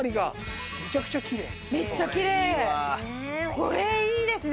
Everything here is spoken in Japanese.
これいいですね！